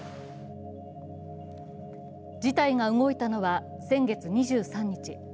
事態が動いたのは先月２３日。